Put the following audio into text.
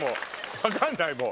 分かんないもう。